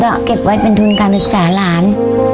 แต่อีกอย่างก็เก็บไว้เป็นทุนการศึกษาหลาน